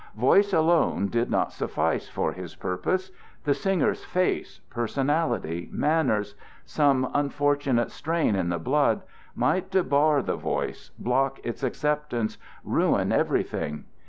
Voice alone did not suffice for his purpose; the singer's face, personality, manners, some unfortunate strain in the blood, might debar the voice, block its acceptance, ruin everything.